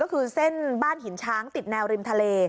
ก็คือเส้นบ้านหินช้างติดแนวริมทะเล